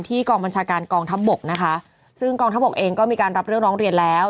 กองบัญชาการกองทัพบกนะคะซึ่งกองทัพบกเองก็มีการรับเรื่องร้องเรียนแล้ว